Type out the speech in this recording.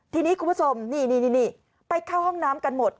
ทีนี้คุณผู้ชมนี่ไปเข้าห้องน้ำกันหมด